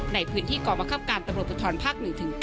ในพื้นที่กรมคับการตำรวจภูทรภาค๑๙